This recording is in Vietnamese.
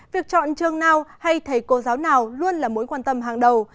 việc chọn trường nào hay thầy cô giáo nào luôn là mối quan tâm hàng đầu